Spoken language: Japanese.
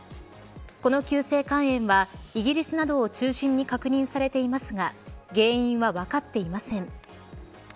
この急性肝炎はイギリスなどを中心に確認されていますが原因は、分かっていません。